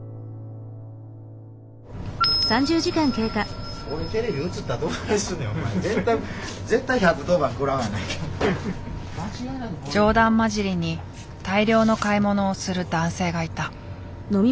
冗談まじりに大量の買い物をする男性がいた。